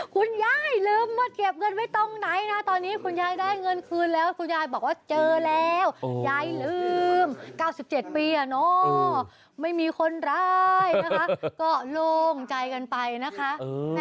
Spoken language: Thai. คุณยายลืมว่าเก็บเงินไว้ตรงไหนนะตอนนี้คุณยายได้เงินคืนแล้วคุณยายบอกว่าเจอแล้วยายลืม๙๗ปีไม่มีคนร้ายนะคะก็โล่งใจกันไปนะคะ